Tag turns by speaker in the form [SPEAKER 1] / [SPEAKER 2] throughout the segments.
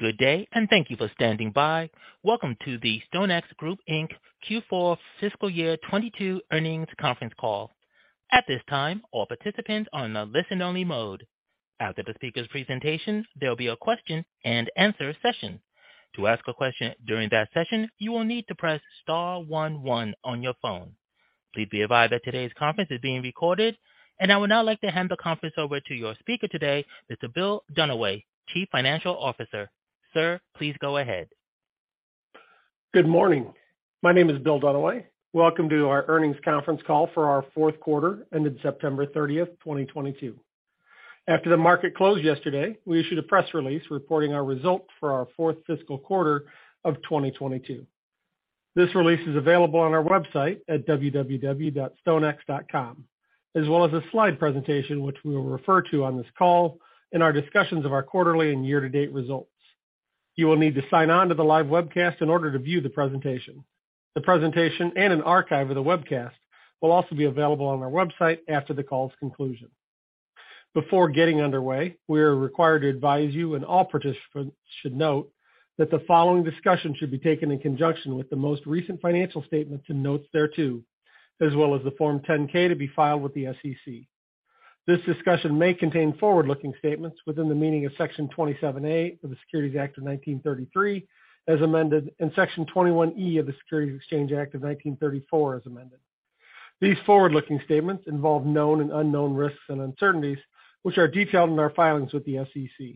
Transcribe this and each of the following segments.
[SPEAKER 1] Good day, thank you for standing by. Welcome to the StoneX Group Inc. Q4 Fiscal Year 2022 earnings conference call. At this time, all participants are in a listen-only mode. After the speaker's presentation, there'll be a question and answer session. To ask a question during that session, you will need to press star one one on your phone. Please be advised that today's conference is being recorded. I would now like to hand the conference over to your speaker today, Mr. William Dunaway, Chief Financial Officer. Sir, please go ahead.
[SPEAKER 2] Good morning. My name is William Dunaway. Welcome to our earnings conference call for our fourth quarter ended September 30th, 2022. After the market closed yesterday, we issued a press release reporting our results for our fourth fiscal quarter of 2022. This release is available on our website at www.stonex.com, as well as a slide presentation, which we will refer to on this call in our discussions of our quarterly and year-to-date results. You will need to sign on to the live webcast in order to view the presentation. The presentation and an archive of the webcast will also be available on our website after the call's conclusion. Before getting underway, we are required to advise you, and all participants should note, that the following discussion should be taken in conjunction with the most recent financial statements and notes thereto, as well as the Form 10-K to be filed with the SEC. This discussion may contain forward-looking statements within the meaning of Section 27A of the Securities Act of 1933, as amended, and Section 21E of the Securities Exchange Act of 1934, as amended. These forward-looking statements involve known and unknown risks and uncertainties, which are detailed in our filings with the SEC.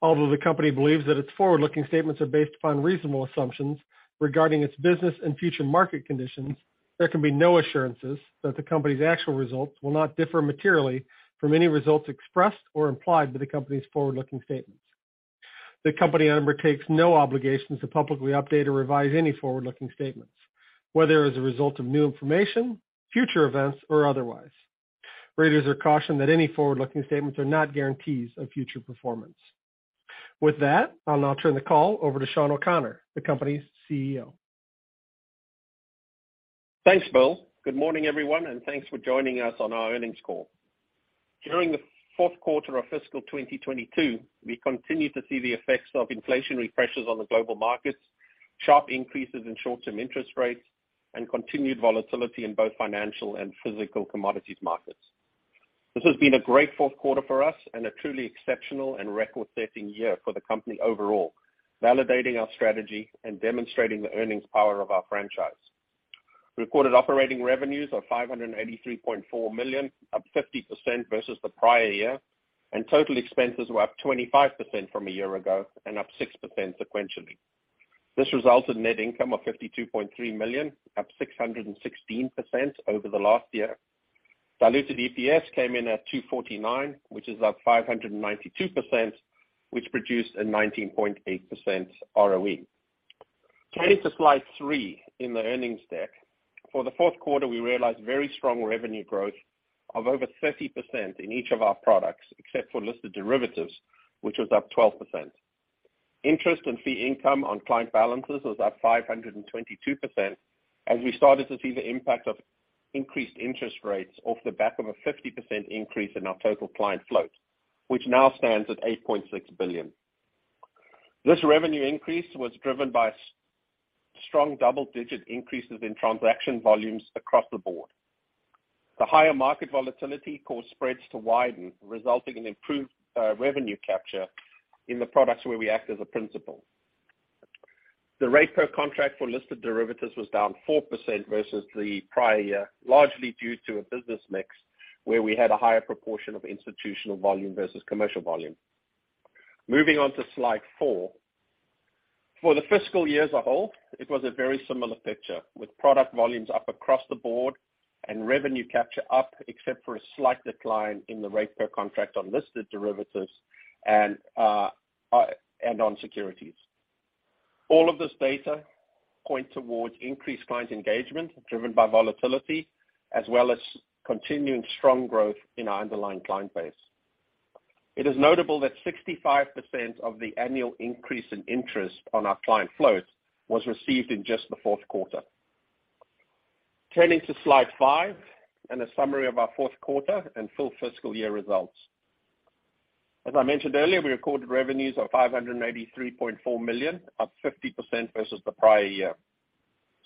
[SPEAKER 2] Although the company believes that its forward-looking statements are based upon reasonable assumptions regarding its business and future market conditions, there can be no assurances that the company's actual results will not differ materially from any results expressed or implied by the company's forward-looking statements. The company undertakes no obligations to publicly update or revise any forward-looking statements, whether as a result of new information, future events, or otherwise. Readers are cautioned that any forward-looking statements are not guarantees of future performance. With that, I'll now turn the call over to Sean O'Connor, the company's CEO.
[SPEAKER 3] Thanks, William. Good morning, everyone, and thanks for joining us on our earnings call. During the fourth quarter of fiscal 2022, we continued to see the effects of inflationary pressures on the global markets, sharp increases in short-term interest rates, and continued volatility in both financial and physical commodities markets. This has been a great fourth quarter for us and a truly exceptional and record-setting year for the company overall, validating our strategy and demonstrating the earnings power of our franchise. Reported operating revenues of $583.4 million, up 50% versus the prior year, and total expenses were up 25% from a year ago and up 6% sequentially. This resulted in net income of $52.3 million, up 616% over the last year. Diluted EPS came in at $2.49, which is up 592%, which produced a 19.8% ROE. Turning to slide three in the earnings deck. For the fourth quarter, we realized very strong revenue growth of over 30% in each of our products, except for listed derivatives, which was up 12%. Interest and fee income on client balances was up 522%, as we started to see the impact of increased interest rates off the back of a 50% increase in our total client float, which now stands at $8.6 billion. This revenue increase was driven by strong double-digit increases in transaction volumes across the board. The higher market volatility caused spreads to widen, resulting in improved revenue capture in the products where we act as a principal. The rate per contract for listed derivatives was down 4% versus the prior year, largely due to a business mix where we had a higher proportion of institutional volume versus commercial volume. Moving on to slide four. For the fiscal year as a whole, it was a very similar picture, with product volumes up across the board and revenue capture up, except for a slight decline in the rate per contract on listed derivatives and on securities. All of this data point towards increased client engagement driven by volatility, as well as continuing strong growth in our underlying client base. It is notable that 65% of the annual increase in interest on our client float was received in just the fourth quarter. Turning to slide five and a summary of our fourth quarter and full fiscal year results. As I mentioned earlier, we recorded revenues of $583.4 million, up 50% versus the prior year.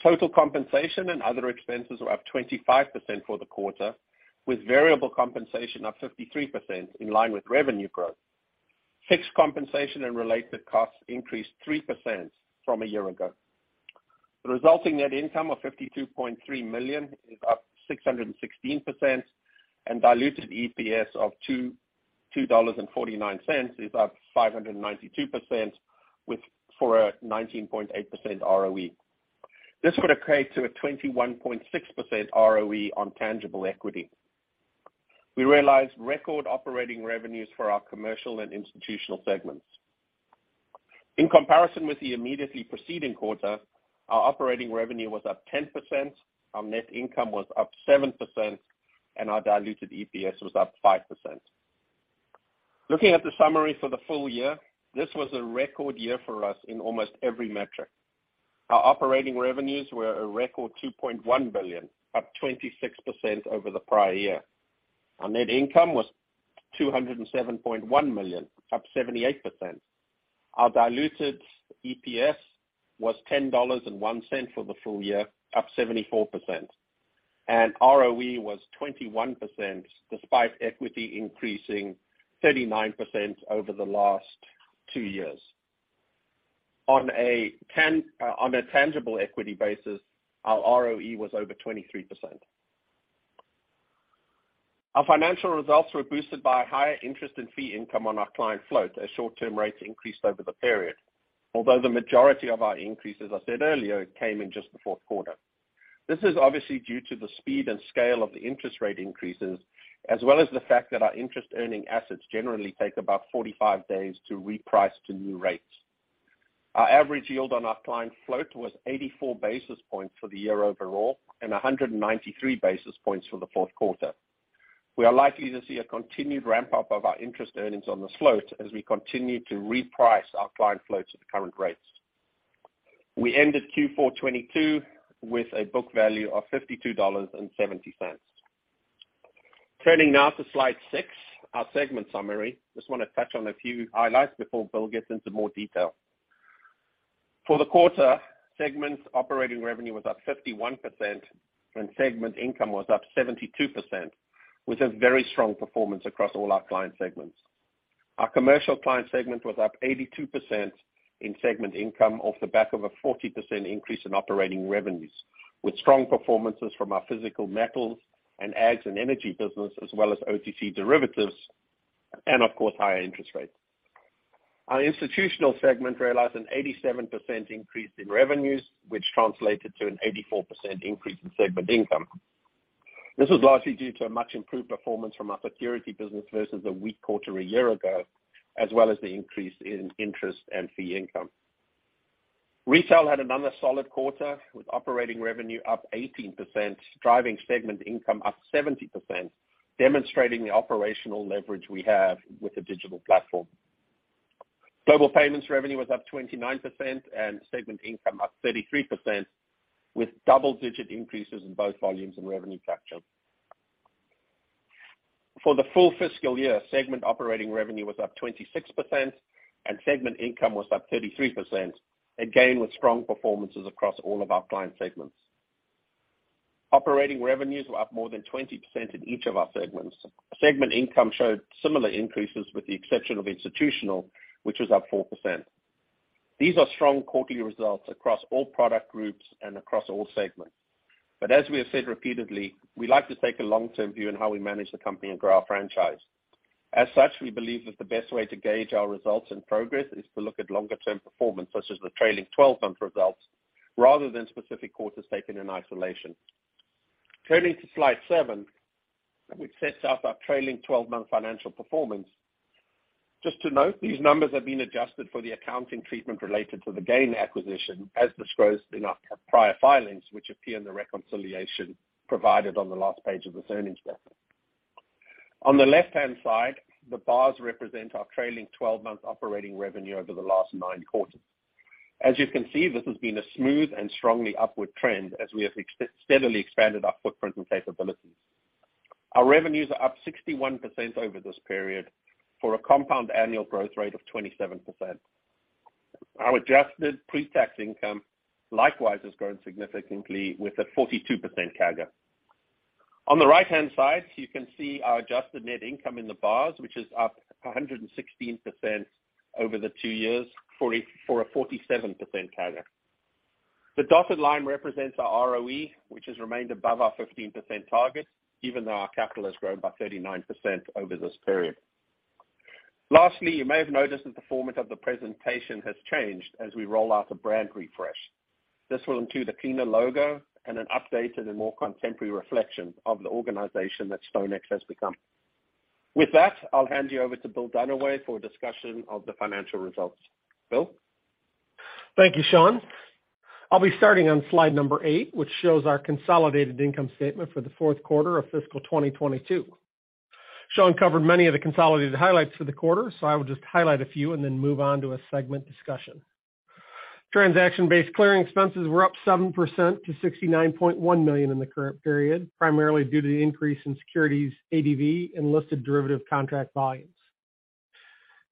[SPEAKER 3] Total compensation and other expenses were up 25% for the quarter, with variable compensation up 53% in line with revenue growth. Fixed compensation and related costs increased 3% from a year ago. The resulting net income of $52.3 million is up 616%, and diluted EPS of $2.49 is up 592% with, for a 19.8% ROE. This would equate to a 21.6% ROE on tangible equity. We realized record operating revenues for our commercial and institutional segments. In comparison with the immediately preceding quarter, our operating revenue was up 10%, our net income was up 7%, and our diluted EPS was up 5%. Looking at the summary for the full year, this was a record year for us in almost every metric. Our operating revenues were a record $2.1 billion, up 26% over the prior year. Our net income was $207.1 million, up 78%. Our diluted EPS was $10.01 for the full year, up 74%. ROE was 21%, despite equity increasing 39% over the last two years. On a tangible equity basis, our ROE was over 23%. Our financial results were boosted by higher interest and fee income on our client float as short-term rates increased over the period. Although the majority of our increases, I said earlier, came in just the fourth quarter. This is obviously due to the speed and scale of the interest rate increases, as well as the fact that our interest earning assets generally take about 45 days to reprice to new rates. Our average yield on our client float was 84 basis points for the year overall, and 193 basis points for the fourth quarter. We are likely to see a continued ramp-up of our interest earnings on this float as we continue to reprice our client float to the current rates. We ended Q4 2022 with a book value of $52.70. Turning now to slide six, our segment summary. Just wanna touch on a few highlights before William gets into more detail. For the quarter, segment's operating revenue was up 51%, and segment income was up 72%, which is very strong performance across all our client segments. Our commercial client segment was up 82% in segment income off the back of a 40% increase in operating revenues, with strong performances from our physical metals and ags and energy business, as well as OTC derivatives, and of course, higher interest rates. Our institutional segment realized an 87% increase in revenues, which translated to an 84% increase in segment income. This was largely due to a much improved performance from our securities business versus the weak quarter a year ago, as well as the increase in interest and fee income. Retail had another solid quarter, with operating revenue up 18%, driving segment income up 70%, demonstrating the operational leverage we have with the digital platform. Global payments revenue was up 29% and segment income up 33%, with double-digit increases in both volumes and revenue capture. For the full fiscal year, segment operating revenue was up 26% and segment income was up 33%, again, with strong performances across all of our client segments. Operating revenues were up more than 20% in each of our segments. Segment income showed similar increases, with the exception of institutional, which was up 4%. These are strong quarterly results across all product groups and across all segments. But as we have said repeatedly, we like to take a long-term view on how we manage the company and grow our franchise. As such, we believe that the best way to gauge our results and progress is to look at longer term performance, such as the trailing twelve-month results, rather than specific quarters taken in isolation. Turning to slide seven, which sets out our trailing 12-month financial performance. Just to note, these numbers have been adjusted for the accounting treatment related to the GAIN acquisition, as disclosed in our prior filings, which appear in the reconciliation provided on the last page of this earnings deck. On the left-hand side, the bars represent our trailing twelve-month operating revenue over the last nine quarters. As you can see, this has been a smooth and strongly upward trend as we have steadily expanded our footprint and capabilities. Our revenues are up 61% over this period, for a compound annual growth rate of 27%. Our adjusted pre-tax income likewise has grown significantly with a 42% CAGR. On the right-hand side, you can see our adjusted net income in the bars, which is up 116% over the two years, for a 47% CAGR. The dotted line represents our ROE, which has remained above our 15% target, even though our capital has grown by 39% over this period. Lastly, you may have noticed that the format of the presentation has changed as we roll out a brand refresh. This will include a cleaner logo and an updated and more contemporary reflection of the organization that StoneX has become. With that, I'll hand you over to William Dunaway for a discussion of the financial results. William?
[SPEAKER 2] Thank you, Sean. I'll be starting on slide number eight, which shows our consolidated income statement for the fourth quarter of fiscal 2022. Sean covered many of the consolidated highlights for the quarter, so I will just highlight a few and then move on to a segment discussion. Transaction-based clearing expenses were up 7% to $69.1 million in the current period, primarily due to the increase in securities ADV and listed derivative contract volumes.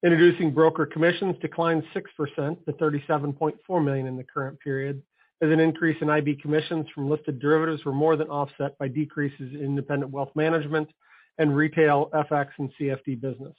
[SPEAKER 2] Introducing broker commissions declined 6% to $37.4 million in the current period, as an increase in IB commissions from listed derivatives were more than offset by decreases in independent wealth management and retail FX and CFD business.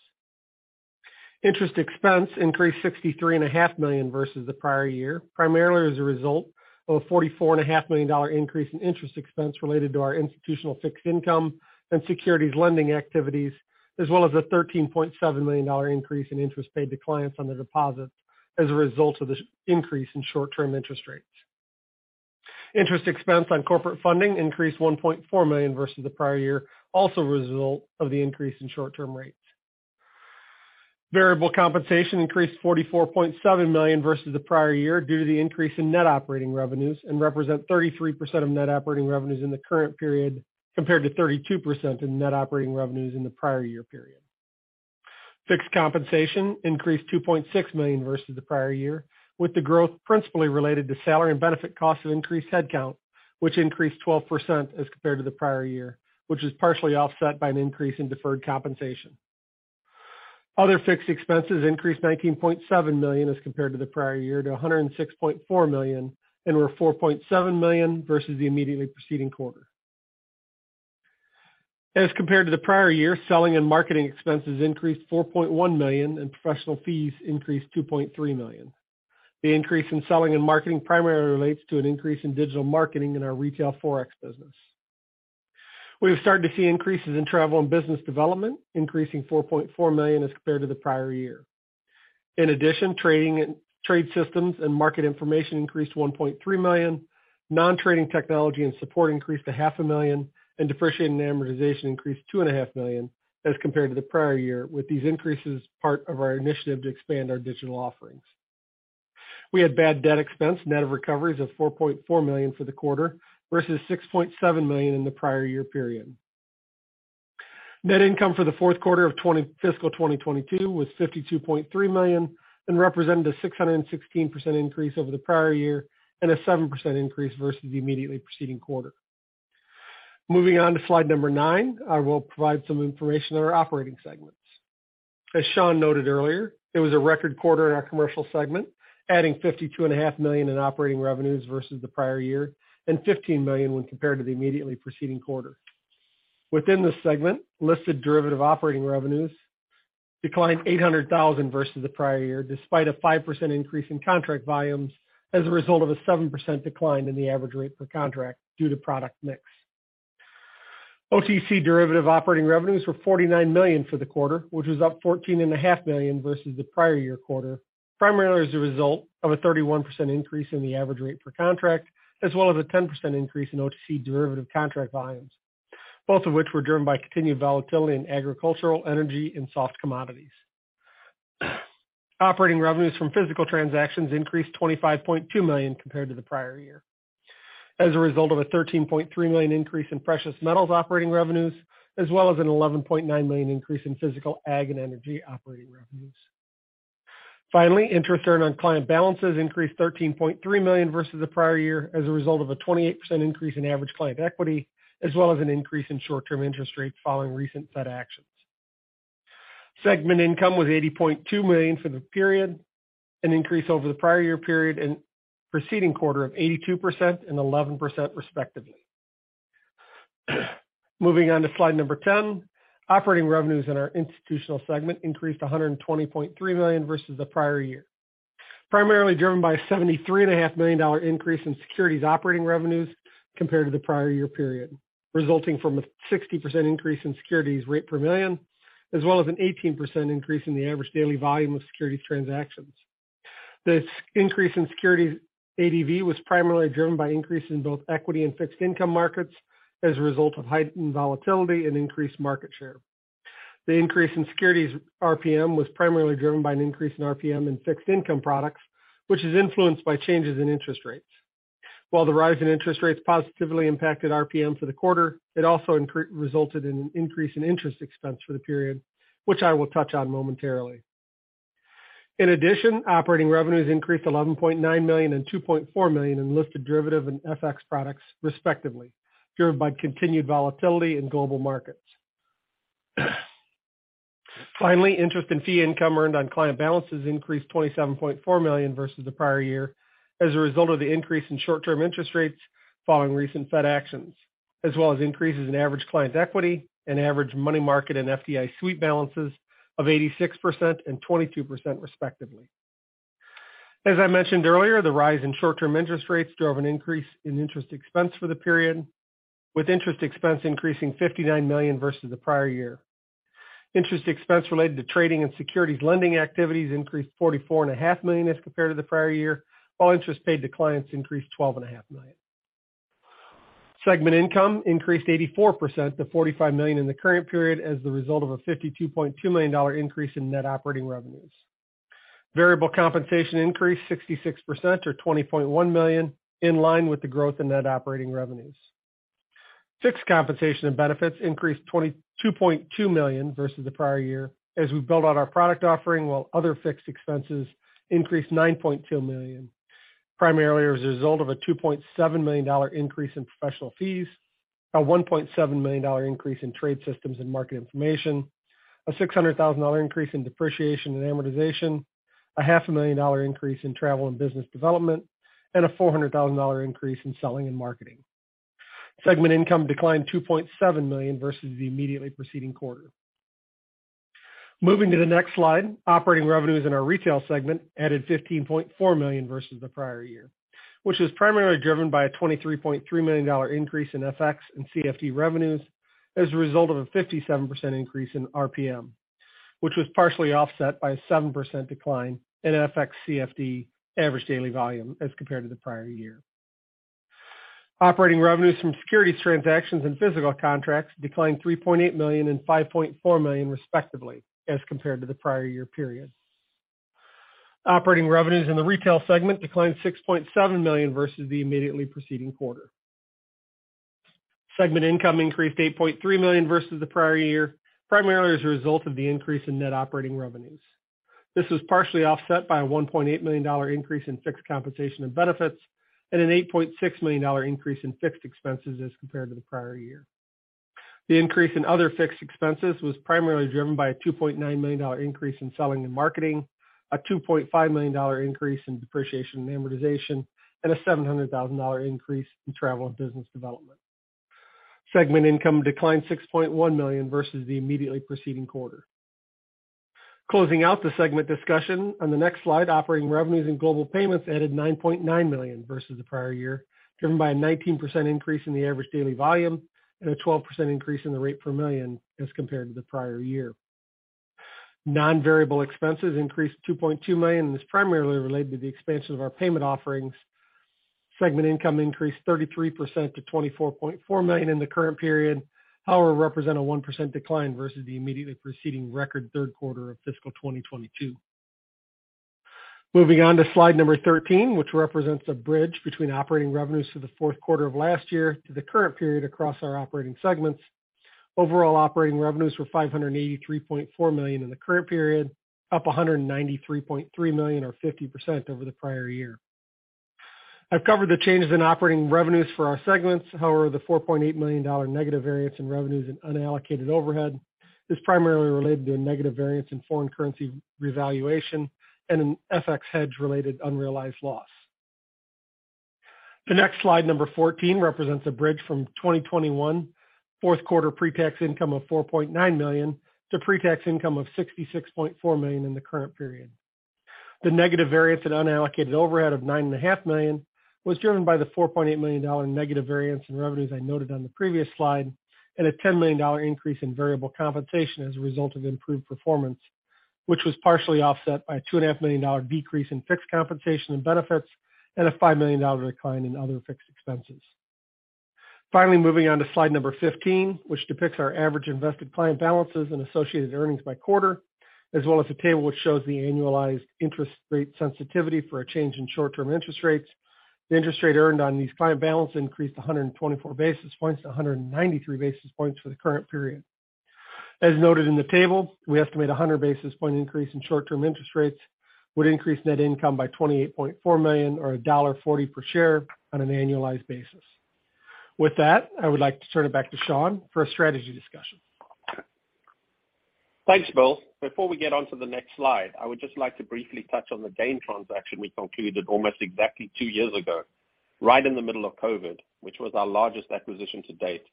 [SPEAKER 2] Interest expense increased $63.5 million versus the prior year, primarily as a result of a $44.5 million increase in interest expense related to our institutional fixed income and securities lending activities, as well as a $13.7 million increase in interest paid to clients on their deposits as a result of the increase in short-term interest rates. Interest expense on corporate funding increased $1.4 million versus the prior year, also a result of the increase in short-term rates. Variable compensation increased $44.7 million versus the prior year due to the increase in net operating revenues and represent 33% of net operating revenues in the current period, compared to 32% in net operating revenues in the prior year period. Fixed compensation increased $2.6 million versus the prior year, with the growth principally related to salary and benefit costs of increased headcount, which increased 12% as compared to the prior year, which was partially offset by an increase in deferred compensation. Other fixed expenses increased $19.7 million as compared to the prior year to $106.4 million, and were $4.7 million versus the immediately preceding quarter. As compared to the prior year, selling and marketing expenses increased $4.1 million, and professional fees increased $2.3 million. The increase in selling and marketing primarily relates to an increase in digital marketing in our retail forex business. We have started to see increases in travel and business development, increasing $4.4 million as compared to the prior year. In addition, trading systems and market information increased $1.3 million, non-trading technology and support increased to $0.5 million, and depreciating and amortization increased $2.5 million as compared to the prior year, with these increases part of our initiative to expand our digital offerings. We had bad debt expense, net of recoveries of $4.4 million for the quarter, versus $6.7 million in the prior year period. Net income for the fourth quarter of fiscal 2022 was $52.3 million, represented a 616% increase over the prior year, and a 7% increase versus the immediately preceding quarter. Moving on to slide number nine, I will provide some information on our operating segments. As Sean noted earlier, it was a record quarter in our commercial segment, adding $52.5 million dollars in operating revenues versus the prior year, $15 million when compared to the immediately preceding quarter. Within the segment, listed derivative operating revenues declined $800,000 versus the prior year, despite a 5% increase in contract volumes as a result of a 7% decline in the average rate per contract due to product mix. OTC derivative operating revenues were $49 million for the quarter, which was up $14.5 million versus the prior year quarter, primarily as a result of a 31% increase in the average rate per contract, as well as a 10% increase in OTC derivative contract volumes, both of which were driven by continued volatility in agricultural, energy, and soft commodities. Operating revenues from physical transactions increased $25.2 million compared to the prior year. As a result of a $13.3 million increase in precious metals operating revenues, as well as an $11.9 million increase in physical ag and energy operating revenues. Finally, interest earned on client balances increased $13.3 million versus the prior year, as a result of a 28% increase in average client equity, as well as an increase in short-term interest rates following recent Fed actions. Segment income was $80.2 million for the period, an increase over the prior year period and preceding quarter of 82% and 11% respectively. Moving on to slide number 10. Operating revenues in our institutional segment increased $120.3 million versus the prior year, primarily driven by a $73.5 million dollar increase in securities operating revenues compared to the prior year period, resulting from a 60% increase in securities RPM, as well as an 18% increase in the ADV of securities transactions. This increase in securities ADV was primarily driven by increases in both equity and fixed income markets as a result of heightened volatility and increased market share. The increase in securities RPM was primarily driven by an increase in RPM and fixed income products, which is influenced by changes in interest rates. While the rise in interest rates positively impacted RPM for the quarter, it also resulted in an increase in interest expense for the period, which I will touch on momentarily. Operating revenues increased $11.9 million and $2.4 million in listed derivative and FX products respectively, driven by continued volatility in global markets. Interest and fee income earned on client balances increased $27.4 million versus the prior year as a result of the increase in short-term interest rates following recent Fed actions, as well as increases in average client equity and average money market and FDIC sweep balances of 86% and 22% respectively. As I mentioned earlier, the rise in short-term interest rates drove an increase in interest expense for the period, with interest expense increasing $59 million versus the prior year. Interest expense related to trading and securities lending activities increased $44.5 million as compared to the prior year, while interest paid to clients increased $12.5 million. Segment income increased 84% to $45 million in the current period as the result of a $52.2 million increase in net operating revenues. Variable compensation increased 66% to $20.1 million, in line with the growth in net operating revenues. Fixed compensation and benefits increased $22.2 million versus the prior year as we build out our product offering, while other fixed expenses increased $9.2 million, primarily as a result of a $2.7 million increase in professional fees, a $1.7 million increase in trade systems and market information, a $600,000 increase in depreciation and amortization, a half a million dollar increase in travel and business development, and a $400,000 increase in selling and marketing. Segment income declined $2.7 million versus the immediately preceding quarter. Moving to the next slide, operating revenues in our retail segment added $15.4 million versus the prior year, which was primarily driven by a $23.3 million increase in FX and CFD revenues as a result of a 57% increase in RPM, which was partially offset by a 7% decline in FX CFD average daily volume as compared to the prior year. Operating revenues from securities transactions and physical contracts declined $3.8 million and $5.4 million respectively as compared to the prior year period. Operating revenues in the retail segment declined $6.7 million versus the immediately preceding quarter. Segment income increased $8.3 million versus the prior year, primarily as a result of the increase in net operating revenues. This was partially offset by a $1.8 million increase in fixed compensation and benefits, and an $8.6 million increase in fixed expenses as compared to the prior year. The increase in other fixed expenses was primarily driven by a $2.9 million increase in selling and marketing, a $2.5 million increase in depreciation and amortization, and a $700,000 increase in travel and business development. Segment income declined $6.1 million versus the immediately preceding quarter. Closing out the segment discussion, on the next slide, operating revenues and global payments added $9.9 million versus the prior year, driven by a 19% increase in the average daily volume and a 12% increase in the rate per million as compared to the prior year. Non-variable expenses increased $2.2 million. This primarily related to the expansion of our payment offerings. Segment income increased 33% to $24.4 million in the current period, however, represent a 1% decline versus the immediately preceding record third quarter of fiscal 2022. Moving on to slide number 13, which represents a bridge between operating revenues for the fourth quarter of last year to the current period across our operating segments. Overall operating revenues were $583.4 million in the current period, up $193.3 million or 50% over the prior year. I've covered the changes in operating revenues for our segments, however, the $4.8 million negative variance in revenues and unallocated overhead is primarily related to a negative variance in foreign currency revaluation and an FX hedge-related unrealized loss. The next slide, number 14, represents a bridge from 2021 fourth quarter pre-tax income of $4.9 million to pre-tax income of $66.4 million in the current period. The negative variance at unallocated overhead of $9.5 million was driven by the $4.8 million negative variance in revenues I noted on the previous slide, and a $10 million increase in variable compensation as a result of improved performance. Which was partially offset by a $2.5 million decrease in fixed compensation and benefits and a $5 million decline in other fixed expenses. Finally, moving on to slide number 15, which depicts our average invested client balances and associated earnings by quarter, as well as a table which shows the annualized interest rate sensitivity for a change in short-term interest rates. The interest rate earned on these client balances increased 124 basis points-193 basis points for the current period. As noted in the table, we estimate a 100 basis point increase in short-term interest rates would increase net income by $28.4 million or $1.40 per share on an annualized basis. With that, I would like to turn it back to Sean for a strategy discussion.
[SPEAKER 3] Thanks, William. Before we get on to the next slide, I would just like to briefly touch on the GAIN transaction we concluded almost exactly two years ago, right in the middle of COVID, which was our largest acquisition to date.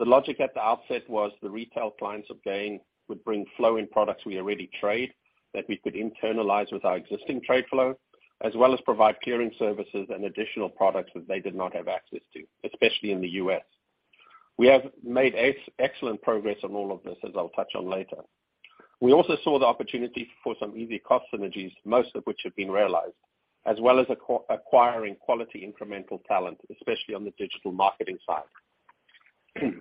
[SPEAKER 3] The logic at the outset was the retail clients of GAIN would bring flow in products we already trade, that we could internalize with our existing trade flow, as well as provide clearing services and additional products that they did not have access to, especially in the U.S. We have made excellent progress on all of this, as I'll touch on later. We also saw the opportunity for some easy cost synergies, most of which have been realized, as well as acquiring quality incremental talent, especially on the digital marketing side.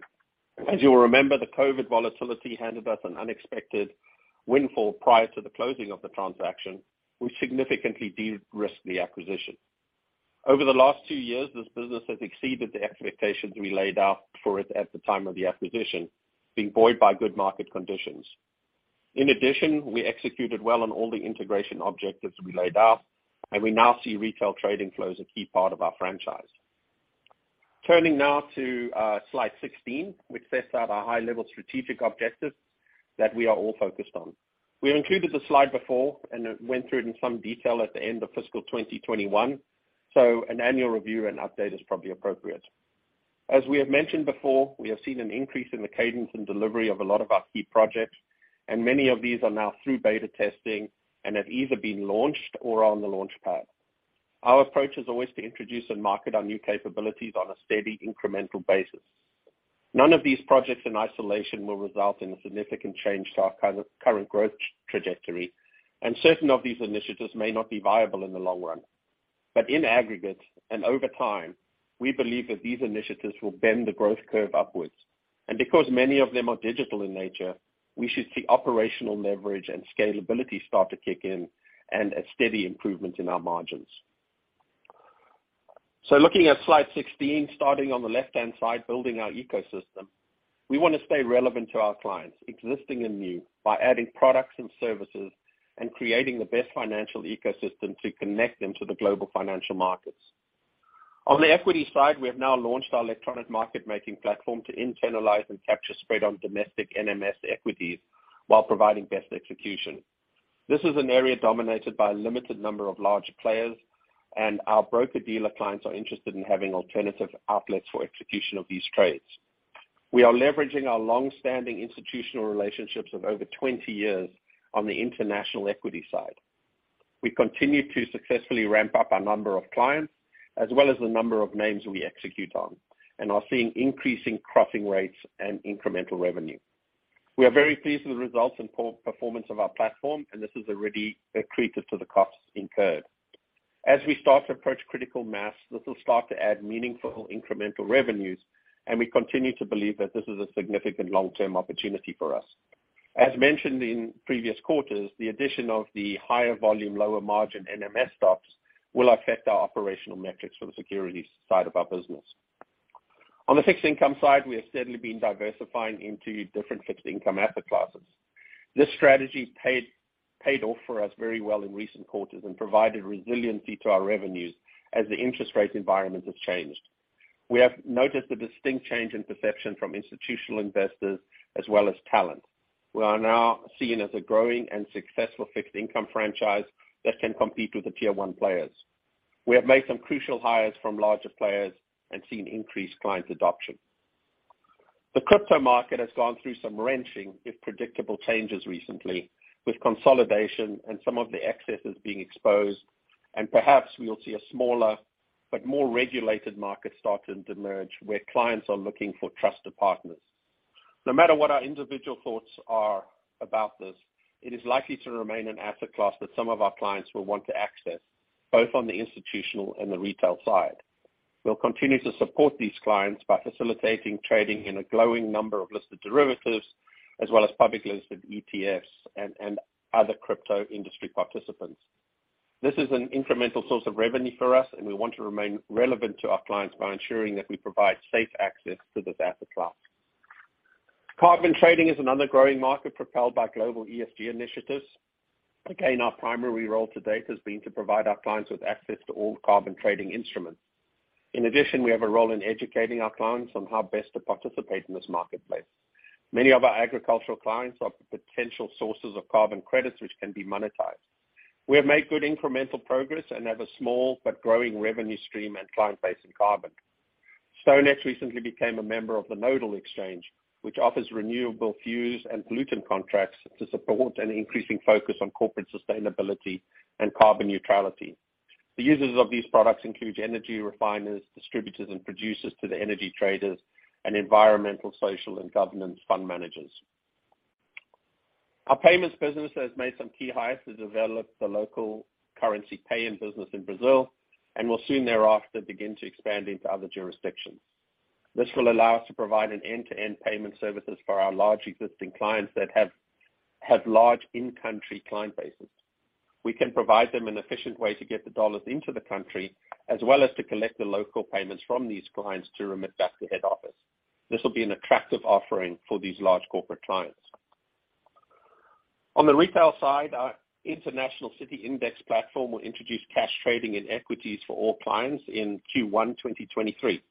[SPEAKER 3] As you'll remember, the COVID volatility handed us an unexpected windfall prior to the closing of the transaction, which significantly de-risked the acquisition. Over the last two years, this business has exceeded the expectations we laid out for it at the time of the acquisition, being buoyed by good market conditions. In addition, we executed well on all the integration objectives we laid out. We now see retail trading flows a key part of our franchise. Turning now to slide 16, which sets out our high level strategic objectives that we are all focused on. We have included the slide before and went through it in some detail at the end of fiscal 2021. An annual review and update is probably appropriate. As we have mentioned before, we have seen an increase in the cadence and delivery of a lot of our key projects, and many of these are now through beta testing and have either been launched or are on the launch pad. Our approach is always to introduce and market our new capabilities on a steady incremental basis. None of these projects in isolation will result in a significant change to our current growth trajectory, and certain of these initiatives may not be viable in the long run. In aggregate and over time, we believe that these initiatives will bend the growth curve upwards. Because many of them are digital in nature, we should see operational leverage and scalability start to kick in and a steady improvement in our margins. Looking at slide 16, starting on the left-hand side, building our ecosystem, we wanna stay relevant to our clients, existing and new, by adding products and services and creating the best financial ecosystem to connect them to the global financial markets. On the equity side, we have now launched our electronic market-making platform to internalize and capture spread on domestic NMS equities while providing best execution. This is an area dominated by a limited number of larger players, and our broker-dealer clients are interested in having alternative outlets for execution of these trades. We are leveraging our long-standing institutional relationships of over 20 years on the international equity side. We continue to successfully ramp up our number of clients, as well as the number of names we execute on, and are seeing increasing crossing rates and incremental revenue. We are very pleased with the results and performance of our platform. This has already accreted to the costs incurred. As we start to approach critical mass, this will start to add meaningful incremental revenues. We continue to believe that this is a significant long-term opportunity for us. As mentioned in previous quarters, the addition of the higher volume, lower margin NMS stocks will affect our operational metrics for the securities side of our business. On the fixed income side, we have steadily been diversifying into different fixed income asset classes. This strategy paid off for us very well in recent quarters and provided resiliency to our revenues as the interest rate environment has changed. We have noticed a distinct change in perception from institutional investors as well as talent. We are now seen as a growing and successful fixed income franchise that can compete with the Tier 1 players. We have made some crucial hires from larger players and seen increased client adoption. The crypto market has gone through some wrenching, if predictable, changes recently, with consolidation and some of the excesses being exposed. Perhaps we will see a smaller but more regulated market starting to emerge where clients are looking for trusted partners. No matter what our individual thoughts are about this, it is likely to remain an asset class that some of our clients will want to access, both on the institutional and the retail side. We'll continue to support these clients by facilitating trading in a growing number of listed derivatives, as well as public listed ETFs and other crypto industry participants. This is an incremental source of revenue for us, and we want to remain relevant to our clients by ensuring that we provide safe access to this asset class. Carbon trading is another growing market propelled by global ESG initiatives. Again, our primary role to date has been to provide our clients with access to all carbon trading instruments. In addition, we have a role in educating our clients on how best to participate in this marketplace. Many of our agricultural clients are potential sources of carbon credits, which can be monetized. We have made good incremental progress and have a small but growing revenue stream and client base in carbon. StoneX recently became a member of the Nodal Exchange, which offers renewable fuels and pollutant contracts to support an increasing focus on corporate sustainability and carbon neutrality. The users of these products include energy refiners, distributors, and producers to the energy traders and environmental, social, and governance fund managers. Our payments business has made some key hires to develop the local currency pay-in business in Brazil, and will soon thereafter begin to expand into other jurisdictions. This will allow us to provide an end-to-end payment services for our large existing clients that have large in-country client bases. We can provide them an efficient way to get the dollars into the country, as well as to collect the local payments from these clients to remit back to head office. This will be an attractive offering for these large corporate clients. On the retail side, our International City Index platform will introduce cash trading and equities for all clients in Q1 2023.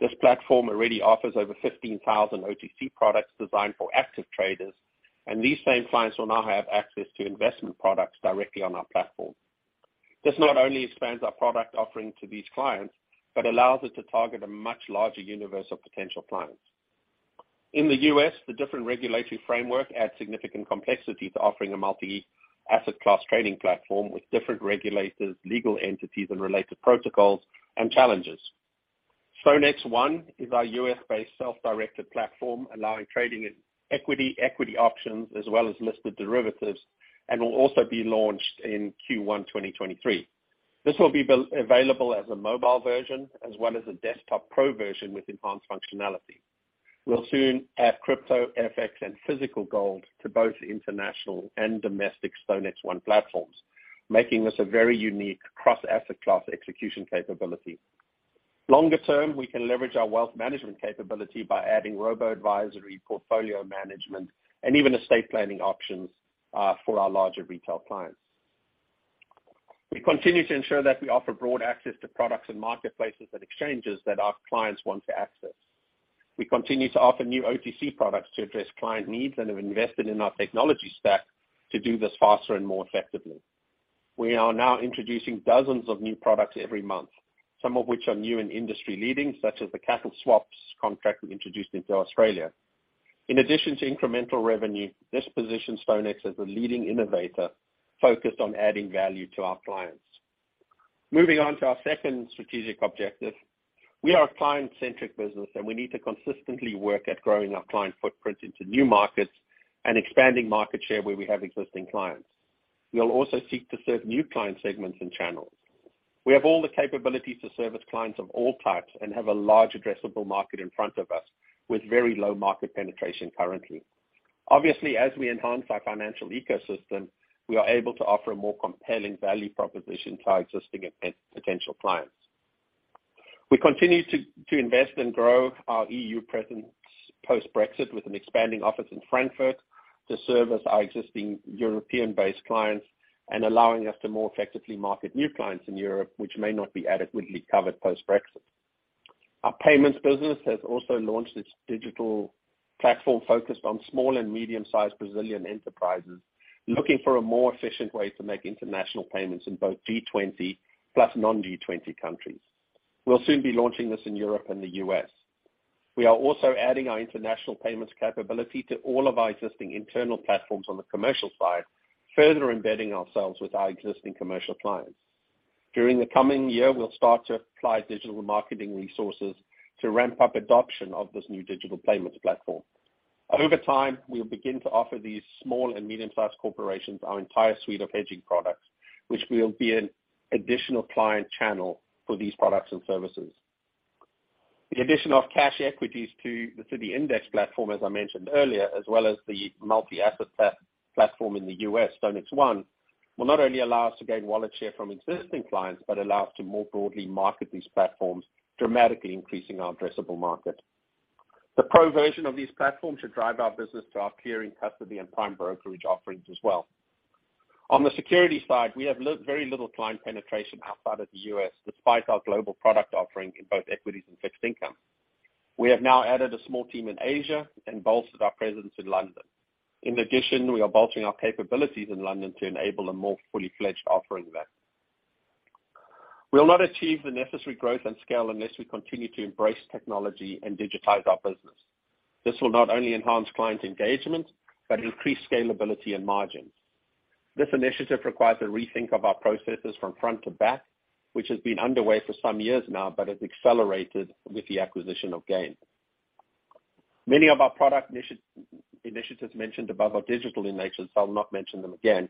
[SPEAKER 3] This platform already offers over 15,000 OTC products designed for active traders, these same clients will now have access to investment products directly on our platform. This not only expands our product offering to these clients, allows us to target a much larger universe of potential clients. In the U.S., the different regulatory framework adds significant complexity to offering a multi-asset class trading platform with different regulators, legal entities, and related protocols and challenges. StoneX One is our U.S.-based self-directed platform, allowing trading in equity options, as well as listed derivatives, and will also be launched in Q1 2023. This will be available as a mobile version as well as a desktop pro version with enhanced functionality. We'll soon add crypto, FX, and physical gold to both international and domestic StoneX One platforms, making us a very unique cross-asset class execution capability. Longer term, we can leverage our wealth management capability by adding Robo-advisory, Portfolio Management, and even estate planning options for our larger retail clients. We continue to ensure that we offer broad access to products and marketplaces and exchanges that our clients want to access. We continue to offer new OTC products to address client needs and have invested in our technology stack to do this faster and more effectively. We are now introducing dozens of new products every month, some of which are new and industry-leading, such as the cattle swaps contract we introduced into Australia. In addition to incremental revenue, this positions StoneX as a leading innovator focused on adding value to our clients. Moving on to our second strategic objective. We are a client-centric business, and we need to consistently work at growing our client footprint into new markets and expanding market share where we have existing clients. We will also seek to serve new client segments and channels. We have all the capabilities to service clients of all types and have a large addressable market in front of us with very low market penetration currently. Obviously, as we enhance our financial ecosystem, we are able to offer a more compelling value proposition to our existing and potential clients. We continue to invest and grow our EU presence post-Brexit with an expanding office in Frankfurt to service our existing European-based clients and allowing us to more effectively market new clients in Europe, which may not be adequately covered post-Brexit. Our payments business has also launched its digital platform focused on small and medium-sized Brazilian enterprises looking for a more efficient way to make international payments in both G20 + non-G20 countries. We'll soon be launching this in Europe and the U.S. We are also adding our international payments capability to all of our existing internal platforms on the commercial side, further embedding ourselves with our existing commercial clients. During the coming year, we'll start to apply digital marketing resources to ramp up adoption of this new digital payments platform. Over time, we'll begin to offer these small and medium-sized corporations our entire suite of hedging products, which will be an additional client channel for these products and services. The addition of cash equities to the index platform, as I mentioned earlier, as well as the multi-asset platform in the U.S., StoneX One, will not only allow us to gain wallet share from existing clients, but allow us to more broadly market these platforms, dramatically increasing our addressable market. The pro version of these platforms should drive our business to our clearing custody and prime brokerage offerings as well. On the security side, we have very little client penetration outside of the U.S., despite our global product offering in both equities and fixed income. We have now added a small team in Asia and bolstered our presence in London. In addition, we are bolstering our capabilities in London to enable a more fully-fledged offering there. We'll not achieve the necessary growth and scale unless we continue to embrace technology and digitize our business. This will not only enhance client engagement, but increase scalability and margins. This initiative requires a rethink of our processes from front to back, which has been underway for some years now, but has accelerated with the acquisition of GAIN. Many of our product initiatives mentioned above are digital in nature, so I'll not mention them again.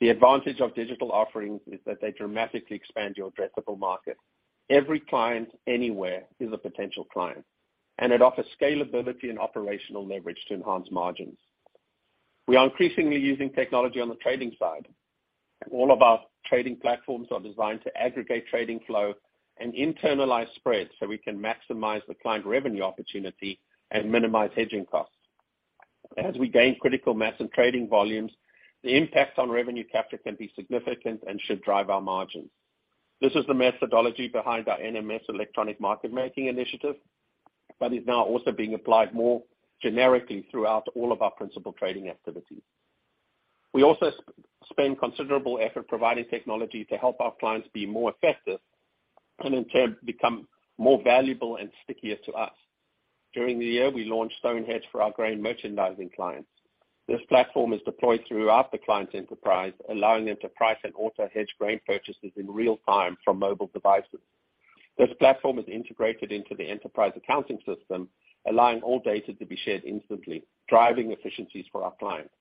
[SPEAKER 3] The advantage of digital offerings is that they dramatically expand your addressable market. Every client anywhere is a potential client. It offers scalability and operational leverage to enhance margins. We are increasingly using technology on the trading side. All of our trading platforms are designed to aggregate trading flow and internalize spreads, so we can maximize the client revenue opportunity and minimize hedging costs. As we gain critical mass in trading volumes, the impact on revenue capture can be significant and should drive our margins. This is the methodology behind our NMS electronic market making initiative, but is now also being applied more generically throughout all of our principal trading activities. We also spend considerable effort providing technology to help our clients be more effective, and in turn, become more valuable and stickier to us. During the year, we launched StoneX Hedge for our grain merchandising clients. This platform is deployed throughout the client's enterprise, allowing them to price and auto-hedge grain purchases in real time from mobile devices. This platform is integrated into the enterprise accounting system, allowing all data to be shared instantly, driving efficiencies for our clients.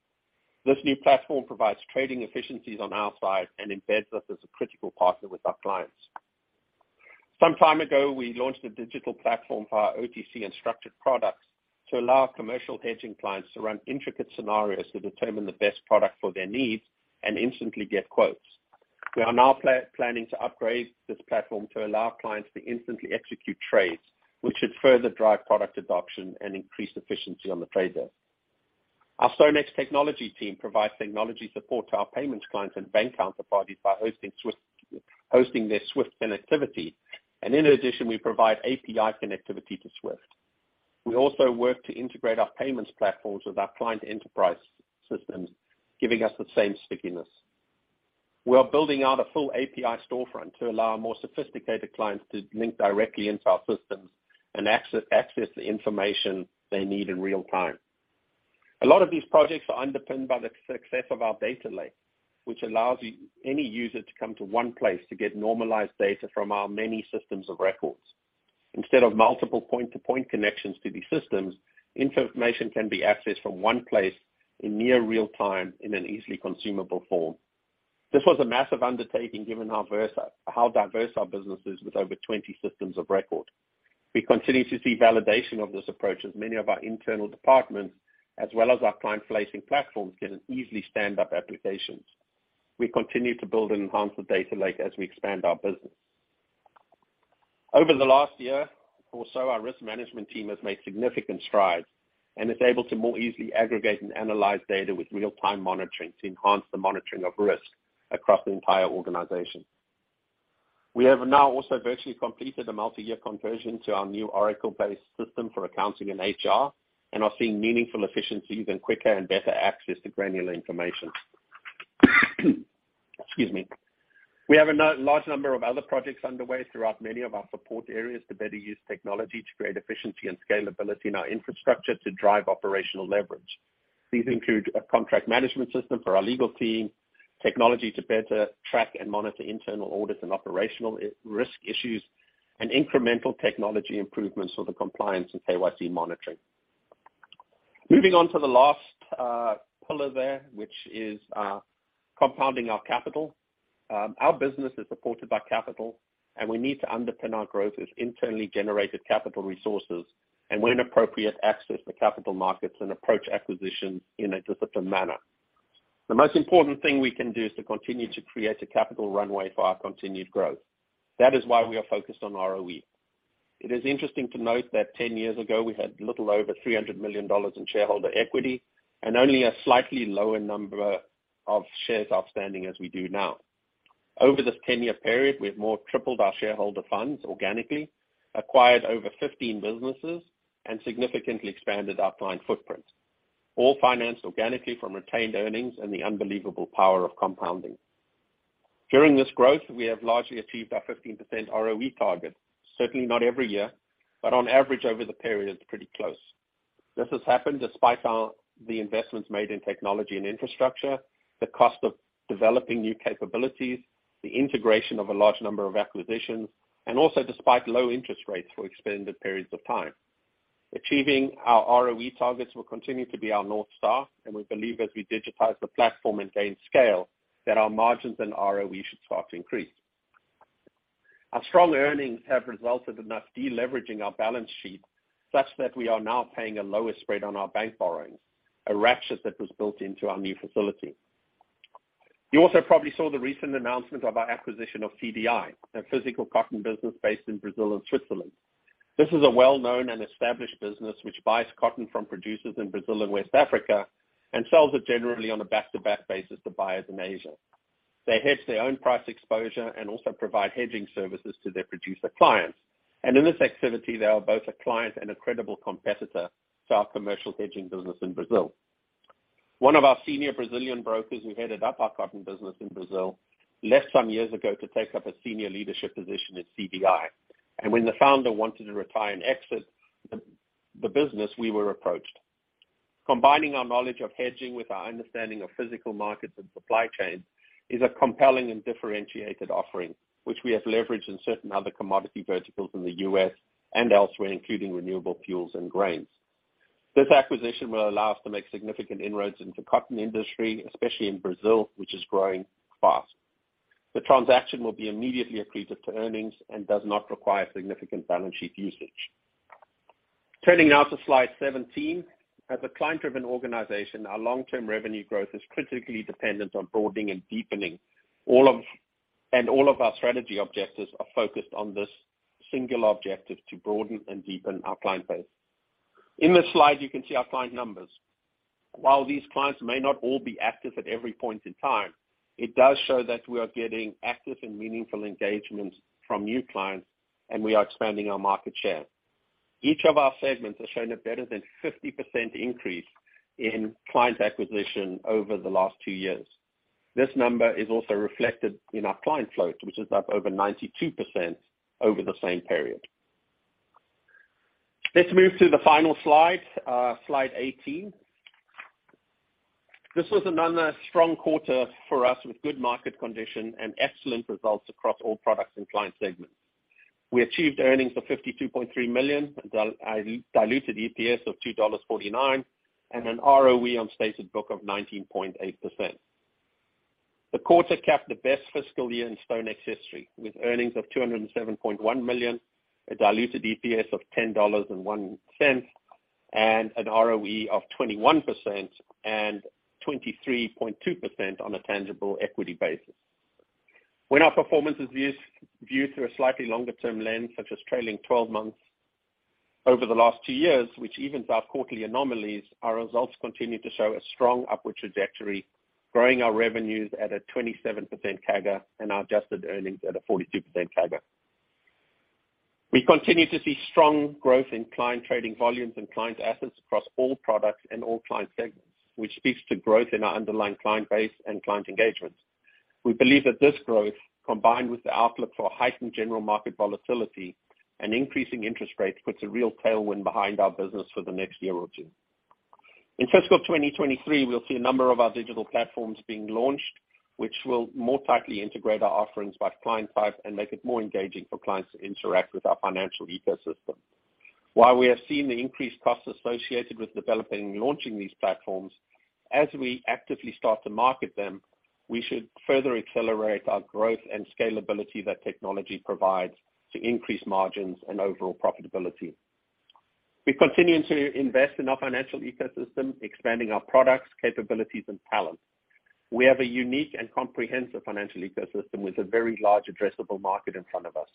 [SPEAKER 3] This new platform provides trading efficiencies on our side and embeds us as a critical partner with our clients. Some time ago, we launched a digital platform for our OTC and structured products to allow commercial hedging clients to run intricate scenarios to determine the best product for their needs and instantly get quotes. We are now planning to upgrade this platform to allow clients to instantly execute trades, which should further drive product adoption and increase efficiency on the trade desk. Our StoneX technology team provides technology support to our payments clients and bank counterparties by hosting SWIFT, hosting their SWIFT connectivity, and in addition, we provide API connectivity to SWIFT. We also work to integrate our payments platforms with our client enterprise systems, giving us the same stickiness. We are building out a full API storefront to allow more sophisticated clients to link directly into our systems and access the information they need in real time. A lot of these projects are underpinned by the success of our data lake, which allows any user to come to one place to get normalized data from our many systems of records. Instead of multiple point-to-point connections to these systems, information can be accessed from one place in near real time in an easily consumable form. This was a massive undertaking given how diverse our business is with over 20 systems of record. We continue to see validation of this approach as many of our internal departments, as well as our client-facing platforms, get an easily stand-up applications. We continue to build and enhance the data lake as we expand our business. Over the last year or so, our risk management team has made significant strides and is able to more easily aggregate and analyze data with real-time monitoring to enhance the monitoring of risk across the entire organization. We have now also virtually completed a multi-year conversion to our new Oracle-based system for accounting and HR, and are seeing meaningful efficiencies and quicker and better access to granular information. Excuse me. We have a large number of other projects underway throughout many of our support areas to better use technology to create efficiency and scalability in our infrastructure to drive operational leverage. These include a contract management system for our legal team, technology to better track and monitor internal audits and operational risk issues, and incremental technology improvements for the compliance and KYC monitoring. Moving on to the last pillar there, which is compounding our capital. Our business is supported by capital, and we need to underpin our growth with internally generated capital resources, and when appropriate, access the capital markets and approach acquisitions in a disciplined manner. The most important thing we can do is to continue to create a capital runway for our continued growth. That is why we are focused on ROE. It is interesting to note that 10 years ago, we had little over $300 million in shareholder equity and only a slightly lower number of shares outstanding as we do now. Over this 10-year period, we have more tripled our shareholder funds organically, acquired over 15 businesses, and significantly expanded our client footprint, all financed organically from retained earnings and the unbelievable power of compounding. During this growth, we have largely achieved our 15% ROE target, certainly not every year, but on average over the period, pretty close. This has happened despite the investments made in technology and infrastructure, the cost of developing new capabilities, the integration of a large number of acquisitions, and also despite low interest rates for extended periods of time. Achieving our ROE targets will continue to be our North Star. We believe as we digitize the platform and gain scale, that our margins and ROE should start to increase. Our strong earnings have resulted in us deleveraging our balance sheet, such that we are now paying a lower spread on our bank borrowings, a ratchet that was built into our new facility. You also probably saw the recent announcement of our acquisition of CDI, a physical cotton business based in Brazil and Switzerland. This is a well-known and established business which buys cotton from producers in Brazil and West Africa and sells it generally on a back-to-back basis to buyers in Asia. They hedge their own price exposure and also provide hedging services to their producer clients. In this activity, they are both a client and a credible competitor to our commercial hedging business in Brazil. One of our senior Brazilian brokers who headed up our cotton business in Brazil, left some years ago to take up a senior leadership position at CDI. When the founder wanted to retire and exit the business, we were approached. Combining our knowledge of hedging with our understanding of physical markets and supply chain, is a compelling and differentiated offering, which we have leveraged in certain other commodity verticals in the U.S. and elsewhere, including renewable fuels and grains. This acquisition will allow us to make significant inroads into cotton industry, especially in Brazil, which is growing fast. The transaction will be immediately accretive to earnings and does not require significant balance sheet usage. Turning now to slide 17. As a client-driven organization, our long-term revenue growth is critically dependent on broadening and deepening. All of our strategy objectives are focused on this singular objective to broaden and deepen our client base. In this slide, you can see our client numbers. While these clients may not all be active at every point in time, it does show that we are getting active and meaningful engagements from new clients, and we are expanding our market share. Each of our segments has shown a better than 50% increase in client acquisition over the last two years. This number is also reflected in our client flow, which is up over 92% over the same period. Let's move to the final slide 18. This was another strong quarter for us with good market condition and excellent results across all products and client segments. We achieved earnings of $52.3 million, diluted EPS of $2.49, and an ROE on stated book of 19.8%. The quarter capped the best fiscal year in StoneX history, with earnings of $207.1 million, a diluted EPS of $10.01, and an ROE of 21% and 23.2% on a tangible equity basis. When our performance is viewed through a slightly longer term lens, such as trailing 12 months, over the last two years, which evens our quarterly anomalies, our results continue to show a strong upward trajectory, growing our revenues at a 27% CAGR and our adjusted earnings at a 42% CAGR. We continue to see strong growth in client trading volumes and client assets across all products and all client segments, which speaks to growth in our underlying client base and client engagements. We believe that this growth, combined with the outlook for heightened general market volatility and increasing interest rates, puts a real tailwind behind our business for the next year or two. In fiscal 2023, we'll see a number of our digital platforms being launched, which will more tightly integrate our offerings by client type and make it more engaging for clients to interact with our financial ecosystem. While we have seen the increased costs associated with developing and launching these platforms, as we actively start to market them, we should further accelerate our growth and scalability that technology provides to increase margins and overall profitability. We're continuing to invest in our financial ecosystem, expanding our products, capabilities, and talent. We have a unique and comprehensive financial ecosystem with a very large addressable market in front of us.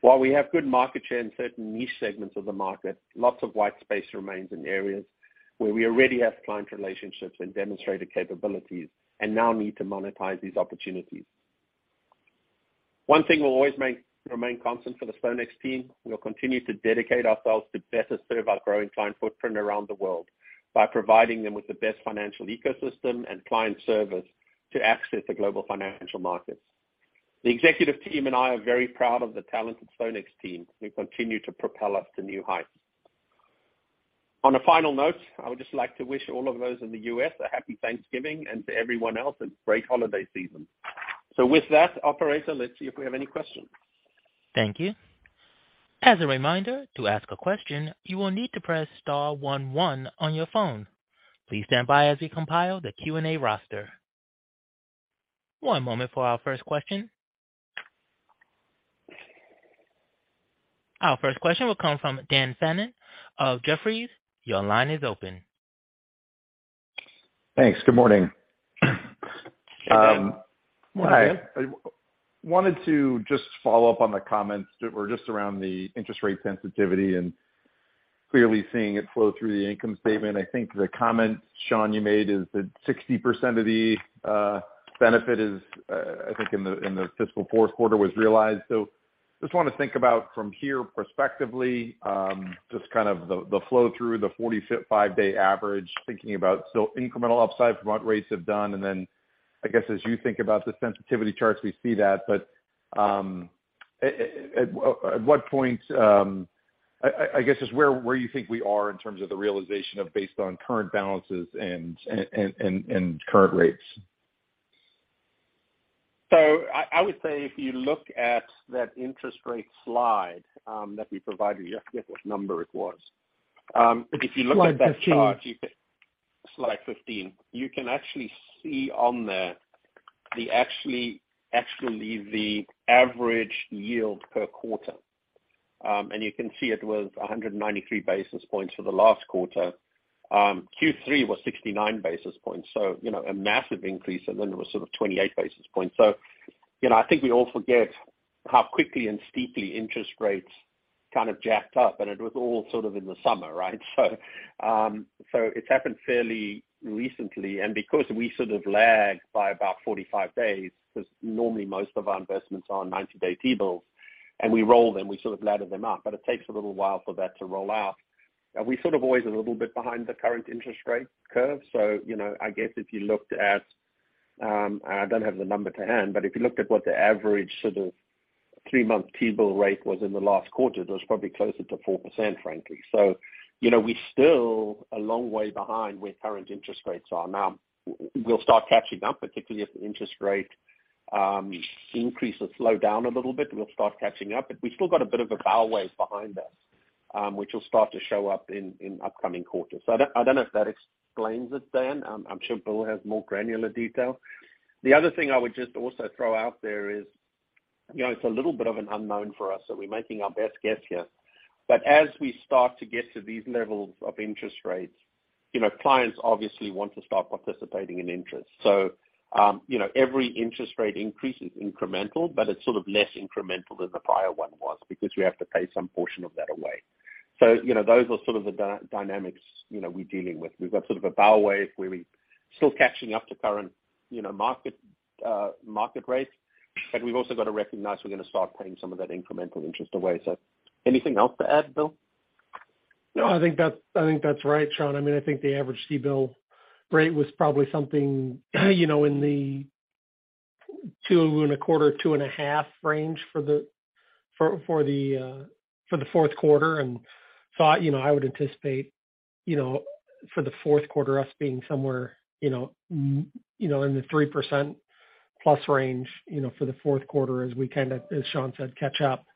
[SPEAKER 3] While we have good market share in certain niche segments of the market, lots of white space remains in areas where we already have client relationships and demonstrated capabilities and now need to monetize these opportunities. One thing will always remain constant for the StoneX team, we will continue to dedicate ourselves to better serve our growing client footprint around the world by providing them with the best financial ecosystem and client service to access the global financial markets. The executive team and I are very proud of the talented StoneX team who continue to propel us to new heights. On a final note, I would just like to wish all of those in the U.S. a Happy Thanksgiving and to everyone else, a great holiday season. With that, operator, let's see if we have any questions.
[SPEAKER 1] Thank you. As a reminder, to ask a question, you will need to press star one one on your phone. Please stand by as we compile the Q&A roster. One moment for our first question. Our first question will come from Daniel Fannon of Jefferies. Your line is open.
[SPEAKER 4] Thanks. Good morning. Hi. I wanted to just follow up on the comments that were just around the interest rate sensitivity and clearly seeing it flow through the income statement. I think the comment, Sean, you made is that 60% of the benefit is I think in the fiscal fourth quarter was realized. Just wanna think about from here perspectively, just kind of the flow through the 45-day average, thinking about still incremental upside from what rates have done. I guess as you think about the sensitivity charts, we see that. At what point, I guess just where you think we are in terms of the realization of based on current balances and current rates?
[SPEAKER 3] I would say if you look at that interest rate slide, that we provided you, I forget which number it was. But if you look at that.
[SPEAKER 2] Slide 15.
[SPEAKER 3] Slide 15. You can actually see on there the actually the average yield per quarter. You can see it was 193 basis points for the last quarter. Q3 was 69 basis points, so you know, a massive increase, and then it was sort of 28 basis points. You know, I think we all forget how quickly and steeply interest rates kind of jacked up, and it was all sort of in the summer, right? It's happened fairly recently. Because we sort of lag by about 45 days, 'cause normally most of our investments are in 90-day T-bills, and we roll them, we sort of ladder them up, but it takes a little while for that to roll out. We sort of always a little bit behind the current interest rate curve. You know, I guess if you looked at, and I don't have the number to hand, but if you looked at what the average sort of 3-month T-bill rate was in the last quarter, it was probably closer to 4%, frankly. You know, we're still a long way behind where current interest rates are. Now we'll start catching up, particularly if the interest rate increase or slow down a little bit, we'll start catching up. We've still got a bit of a bow wave behind us, which will start to show up in upcoming quarters. I don't know if that explains it, Dan. I'm sure William has more granular detail. The other thing I would just also throw out there is, you know, it's a little bit of an unknown for us, so we're making our best guess here. As we start to get to these levels of interest rates, you know, clients obviously want to start participating in interest. You know, every interest rate increase is incremental, but it's sort of less incremental than the prior one was because we have to pay some portion of that away. You know, those are sort of the dynamics, you know, we're dealing with. We've got sort of a bow wave where we're still catching up to current, you know, market rates. We've also got to recognize we're gonna start paying some of that incremental interest away. Anything else to add, William?
[SPEAKER 2] No, I think that's, I think that's right, Sean. I mean, I think the average T-bill rate was probably something, you know, in the 2.025-2.5 range for the fourth quarter. Thought, you know, I would anticipate, you know, for the fourth quarter us being somewhere, you know, in the 3%+ range, you know, for the fourth quarter as we kind of, as Sean said, catch up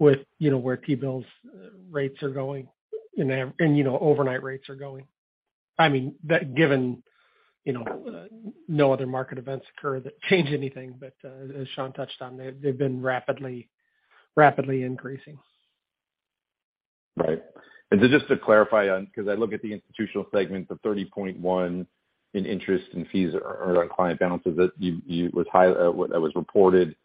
[SPEAKER 2] with, you know, where T-bills rates are going and, you know, overnight rates are going. I mean, that given, you know, no other market events occur that change anything but, as Sean touched on, they've been rapidly increasing.
[SPEAKER 4] Right. Just to clarify on, 'cause I look at the institutional segment, the $30.1 in interest and fees earned on client balances that you was high, what that was reported.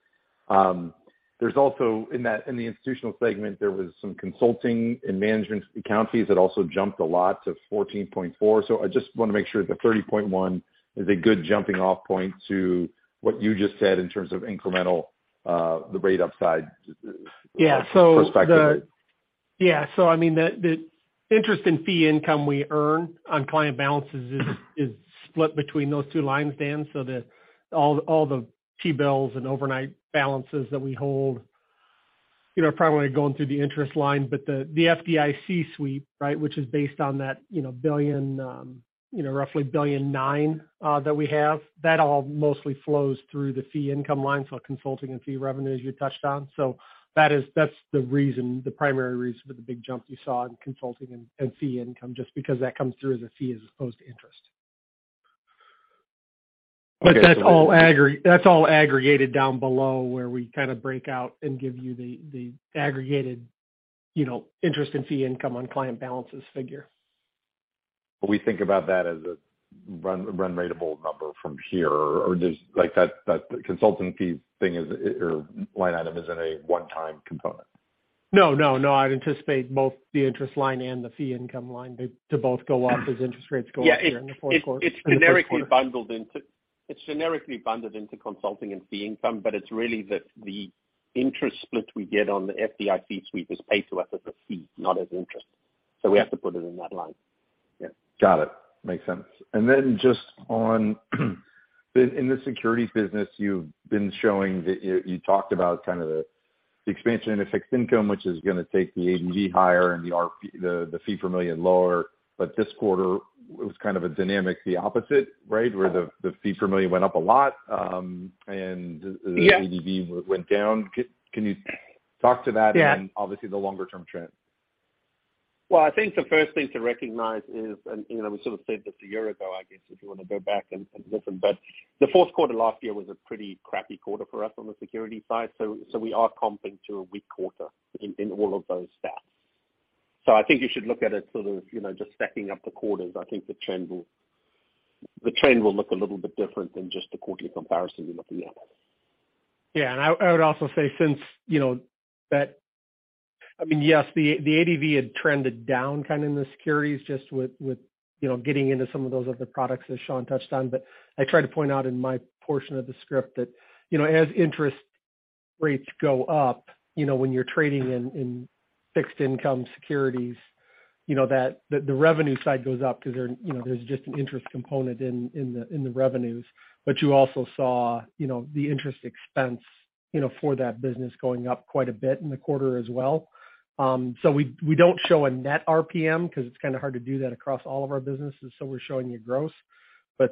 [SPEAKER 4] There's also in the institutional segment, there was some consulting and management account fees that also jumped a lot to $14.4. I just wanna make sure the $30.1 is a good jumping off point to what you just said in terms of incremental, the rate upside just.
[SPEAKER 2] Yeah.
[SPEAKER 4] Perspective.
[SPEAKER 2] I mean, the interest in fee income we earn on client balances is split between those two lines, Dan. The T-bills and overnight balances that we hold, you know, are primarily going through the interest line. The FDIC sweep, right, which is based on that, you know, billion, you know, roughly $1.9 billion that we have, that all mostly flows through the fee income line, so consulting and fee revenues you touched on. That's the reason, the primary reason for the big jump you saw in consulting and fee income, just because that comes through as a fee as opposed to interest.
[SPEAKER 4] Okay.
[SPEAKER 2] That's all aggregated down below where we kind of break out and give you the aggregated, you know, interest and fee income on client balances figure.
[SPEAKER 4] We think about that as a run ratable number from here or that consulting fee line item is in a one-time component?
[SPEAKER 2] No, no. I'd anticipate both the interest line and the fee income line to both go up as interest rates go up here in the fourth quarter.
[SPEAKER 3] Yeah. It's generically bundled into consulting and fee income, but it's really the interest split we get on the FDIC sweep is paid to us as a fee, not as interest. We have to put it in that line.
[SPEAKER 4] Yeah. Got it. Makes sense. Then just on, in the securities business you've been showing that you talked about kind of the expansion in the fixed income, which is gonna take the ADV higher and the fee per million lower. This quarter was kind of a dynamic, the opposite, right? Where the fee per million went up a lot?
[SPEAKER 2] Yeah.
[SPEAKER 4] The ADV went down. Can you talk to that?
[SPEAKER 2] Yeah.
[SPEAKER 4] Obviously the longer term trend.
[SPEAKER 3] I think the first thing to recognize is, you know, we sort of said this a year ago, I guess, if you wanna go back and listen, the fourth quarter last year was a pretty crappy quarter for us on the securities side. We are comping to a weak quarter in all of those stats. I think you should look at it sort of, you know, just stacking up the quarters. I think the trend will look a little bit different than just the quarterly comparison you're looking at.
[SPEAKER 2] Yeah. I would also say since you know that, I mean, yes, the ADV had trended down kind of in the securities just with, you know, getting into some of those other products as Sean touched on. I tried to point out in my portion of the script that, you know, as interest rates go up, you know, when you're trading in fixed income securities, you know, that the revenue side goes up 'cause there, you know, there's just an interest component in the revenues. You also saw, you know, the interest expense, you know, for that business going up quite a bit in the quarter as well. we don't show a net RPM 'cause it's kind of hard to do that across all of our businesses, so we're showing you gross.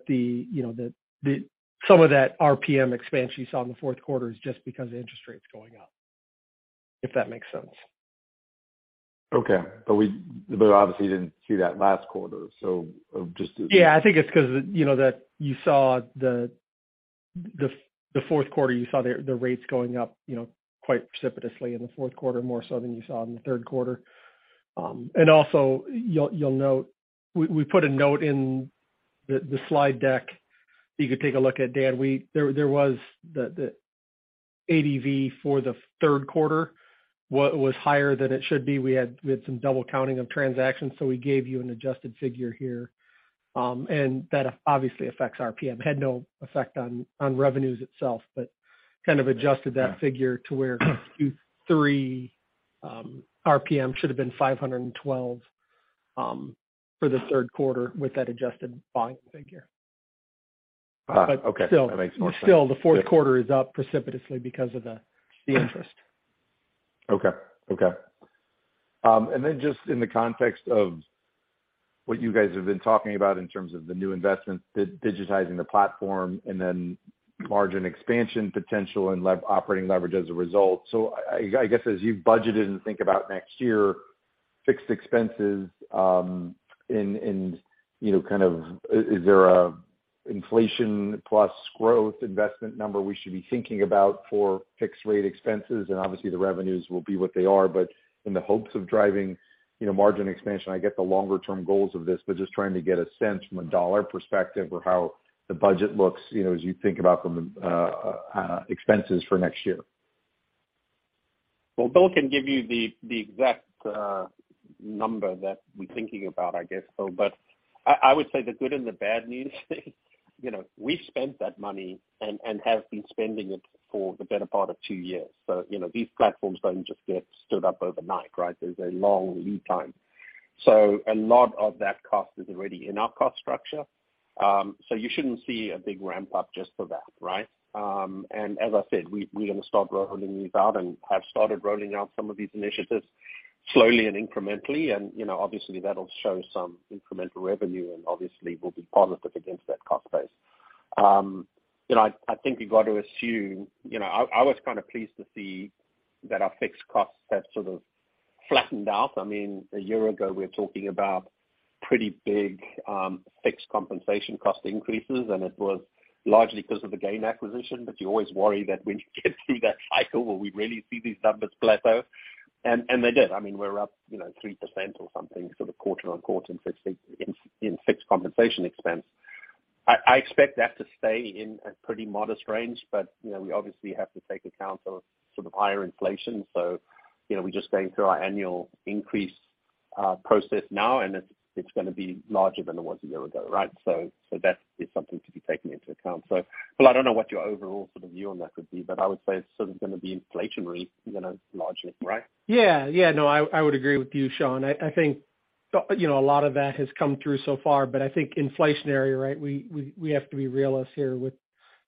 [SPEAKER 2] You know, some of that RPM expansion you saw in the fourth quarter is just because interest rates going up. If that makes sense.
[SPEAKER 4] Okay. obviously you didn't see that last quarter, so?
[SPEAKER 2] Yeah, I think it's 'cause, you know, that you saw the fourth quarter, you saw the rates going up, you know, quite precipitously in the fourth quarter, more so than you saw in the third quarter. Also you'll note we put a note in the slide deck you could take a look at, Dan. There was the ADV for the third quarter was higher than it should be. We had some double counting of transactions, so we gave you an adjusted figure here. That obviously affects RPM. Had no effect on revenues itself, but kind of adjusted that figure to where Q3 RPM should have been 512 for the third quarter with that adjusted volume figure.
[SPEAKER 4] Okay. That makes more sense.
[SPEAKER 2] Still the fourth quarter is up precipitously because of the interest.
[SPEAKER 4] Okay. Okay. Just in the context of what you guys have been talking about in terms of the new investments, digitizing the platform and then margin expansion potential and operating leverage as a result. I guess as you've budgeted and think about next year, fixed expenses, you know, kind of is there a inflation plus growth investment number we should be thinking about for fixed rate expenses? Obviously the revenues will be what they are, but in the hopes of driving, you know, margin expansion, I get the longer term goals of this, but just trying to get a sense from a dollar perspective or how the budget looks, you know, as you think about the expenses for next year.
[SPEAKER 3] Well, William can give you the exact number that we're thinking about, I guess so. I would say the good and the bad news, you know, we spent that money and have been spending it for the better part of two years. You know, these platforms don't just get stood up overnight, right? There's a long lead time. A lot of that cost is already in our cost structure. You shouldn't see a big ramp up just for that, right? As I said, we're gonna start rolling these out and have started rolling out some of these initiatives slowly and incrementally. You know, obviously that'll show some incremental revenue and obviously will be positive against that cost base. You know, I think you've got to assume, you know, I was kind of pleased to see that our fixed costs have sort of flattened out. I mean, a year ago we were talking about pretty big fixed compensation cost increases, and it was largely 'cause of the GAIN acquisition, but you always worry that when you get through that cycle, will we really see these numbers plateau? They did. I mean, we're up, you know, 3% or something sort of quarter-on-quarter in fixed compensation expense. I expect that to stay in a pretty modest range. We obviously have to take account of sort of higher inflation. We're just going through our annual increase process now, and it's gonna be larger than it was a year ago, right? That is something to be taken into account. William, I don't know what your overall sort of view on that would be, but I would say it's sort of gonna be inflationary, you know, largely, right?
[SPEAKER 2] Yeah. Yeah. No, I would agree with you, Sean. I think, you know, a lot of that has come through so far, but I think inflationary, right, we have to be realist here with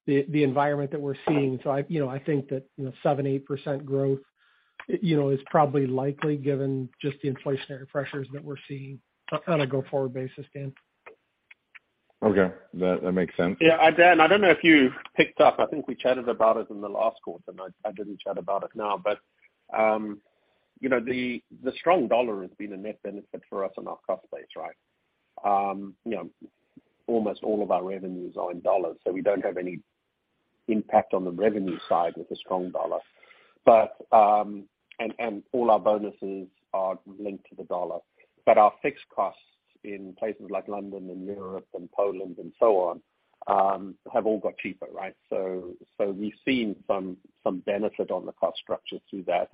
[SPEAKER 2] the environment that we're seeing. I, you know, I think that, you know, 7%-8% growth, you know, is probably likely given just the inflationary pressures that we're seeing on a go forward basis, Dan.
[SPEAKER 4] Okay. That, that makes sense.
[SPEAKER 3] Yeah. Dan, I don't know if you picked up, I think we chatted about it in the last quarter, and I didn't chat about it now, but, you know, the strong dollar has been a net benefit for us on our cost base, right? You know, almost all of our revenues are in dollars, so we don't have any impact on the revenue side with the strong dollar. All our bonuses are linked to the dollar, but our fixed costs in places like London and Europe and Poland and so on, have all got cheaper, right? We've seen some benefit on the cost structure through that.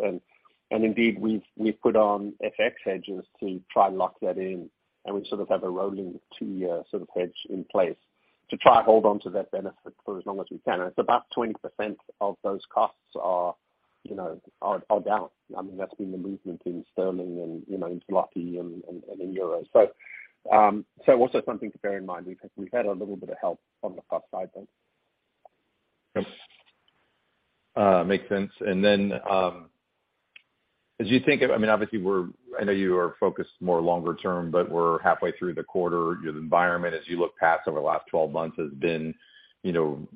[SPEAKER 3] Indeed we've put on FX hedges to try and lock that in, and we sort of have a rolling 2-year sort of hedge in place to try hold on to that benefit for as long as we can. It's about 20% of those costs are, you know, are down. I mean, that's been the movement in GBP and, you know, in PLN and, and in EUR. Also something to bear in mind. We've, we've had a little bit of help from the cost side then.
[SPEAKER 4] Yep. Makes sense. I mean, I know you are focused more longer term, but we're halfway through the quarter. The environment as you look past over the last 12 months has been, you know,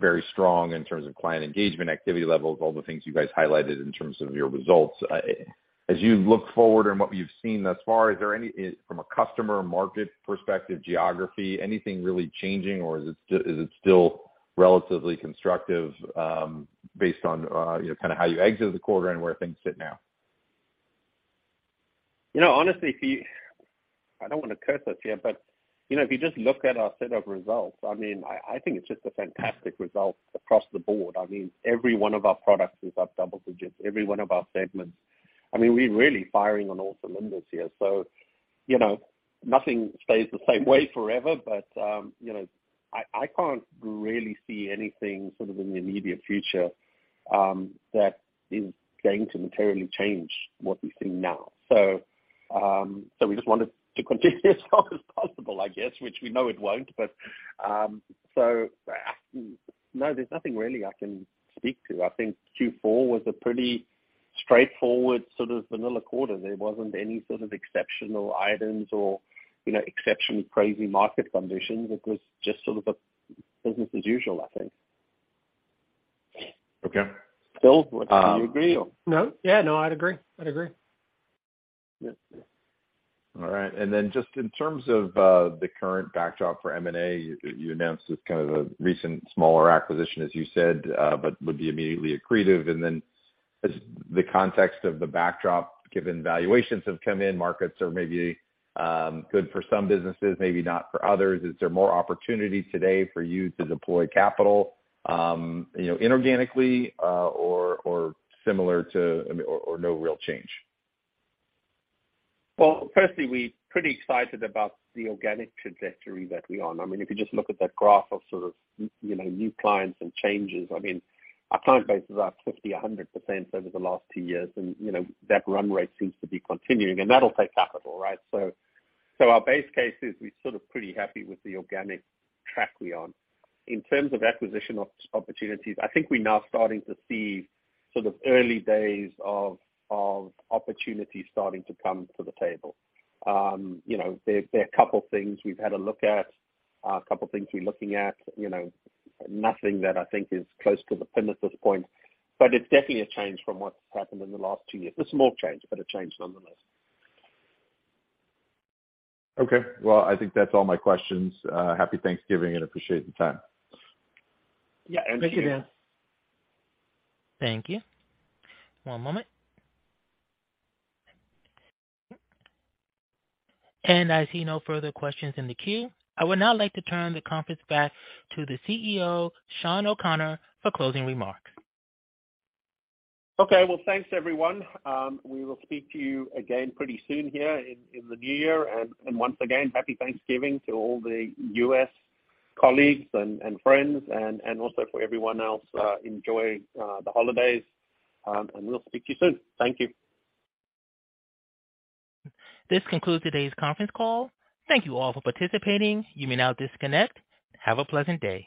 [SPEAKER 4] very strong in terms of client engagement, activity levels, all the things you guys highlighted in terms of your results. As you look forward and what you've seen thus far, is there any, from a customer market perspective, geography, anything really changing, or is it still relatively constructive, based on, you know, kind of how you exit the quarter and where things sit now?
[SPEAKER 3] You know, honestly, if you I don't wanna curse us here, but, you know, if you just look at our set of results, I mean, I think it's just a fantastic result across the board. I mean, every one of our products is up double digits, every one of our segments. I mean, we're really firing on all cylinders here. You know, nothing stays the same way forever, but, you know, I can't really see anything sort of in the immediate future that is going to materially change what we see now. We just wanted to continue as long as possible, I guess, which we know it won't. No, there's nothing really I can speak to. I think Q4 was a pretty straightforward sort of vanilla quarter. There wasn't any sort of exceptional items or, you know, exceptionally crazy market conditions. It was just sort of business as usual, I think.
[SPEAKER 4] Okay.
[SPEAKER 3] William, do you agree or?
[SPEAKER 2] No. Yeah, no, I'd agree. I'd agree.
[SPEAKER 3] Yeah.
[SPEAKER 4] Just in terms of the current backdrop for M&A, you announced this kind of a recent smaller acquisition, as you said, but would be immediately accretive. As the context of the backdrop, given valuations have come in, markets are maybe good for some businesses, maybe not for others. Is there more opportunity today for you to deploy capital, you know, inorganically, or similar to, I mean, or no real change?
[SPEAKER 3] Well, firstly, we're pretty excited about the organic trajectory that we're on. I mean, if you just look at that graph of sort of, you know, new clients and changes. I mean, our client base is up 50%, 100% over the last two years and, you know, that run rate seems to be continuing, and that'll take capital, right? Our base case is we're sort of pretty happy with the organic track we're on. In terms of acquisition opportunities, I think we're now starting to see sort of early days of opportunities starting to come to the table. You know, there are a couple things we've had a look at, a couple things we're looking at. You know, nothing that I think is close to the pinnacle point, but it's definitely a change from what's happened in the last two years. A small change, but a change nonetheless.
[SPEAKER 4] Okay. Well, I think that's all my questions. Happy Thanksgiving, and appreciate the time.
[SPEAKER 3] Yeah. Thank you Dan.
[SPEAKER 2] Thank you.
[SPEAKER 1] Thank you. One moment. I see no further questions in the queue. I would now like to turn the conference back to the CEO, Sean O'Connor, for closing remarks.
[SPEAKER 3] Okay. Well, thanks everyone. We will speak to you again pretty soon here in the new year. Once again, Happy Thanksgiving to all the U.S. colleagues and friends and also for everyone else enjoying the holidays. We'll speak to you soon. Thank you.
[SPEAKER 1] This concludes today's conference call. Thank you all for participating. You may now disconnect. Have a pleasant day.